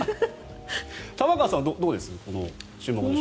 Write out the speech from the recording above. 玉川さんはどうです？